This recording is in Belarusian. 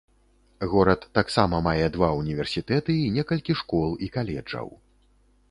Горад таксама мае два ўніверсітэты і некалькі школ і каледжаў.